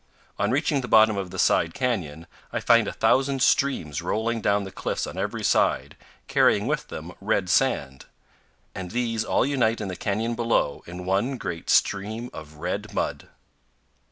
On reaching the bottom of the side canyon, I find a thousand streams rolling down the cliffs on every side, carrying with them red sand; and these all unite in the canyon below in one great stream of red mud.